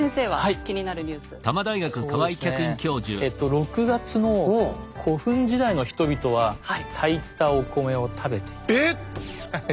６月の「古墳時代の人々は炊いたお米を食べていた？」。